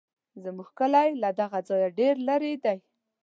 زموږ کلی له دغه ځایه ډېر لرې دی.